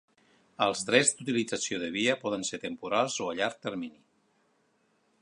Els drets d'utilització de via poden ser temporals o a llarg termini.